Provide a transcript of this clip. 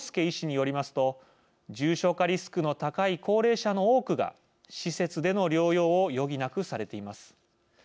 医師によりますと重症化リスクの高い高齢者の多くが、施設での療養を余儀なくされています。